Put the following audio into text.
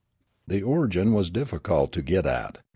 The origin was difficult to get at.